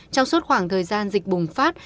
trong suốt khoảng thời gian dịch bùng phát